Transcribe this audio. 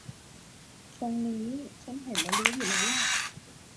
ตรงนี้ฉันเห็นและรู้อยู่แล้วหละ